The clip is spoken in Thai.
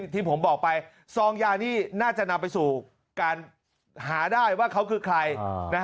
ที่ผมบอกไปซองยานี่น่าจะนำไปสู่การหาได้ว่าเขาคือใคร